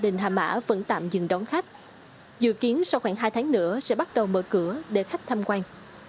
cơ quan tạm dừng đón khách dự kiến sau khoảng hai tháng nữa sẽ bắt đầu mở cửa để khách tham quan